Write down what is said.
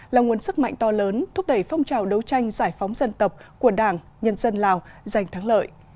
là nguồn sức mạnh to lớn thúc đẩy phong trào đấu tranh giải phóng dân tộc của đảng nhân dân lào giành thắng lợi